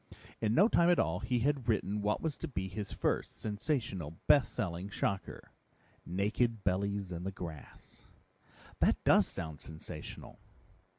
In no time at all, he had written what was to be his first, sensational, best selling shocker, Naked Bellies in the Grass." "That does sound sensational."